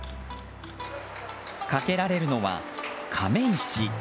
かけられるのは亀石。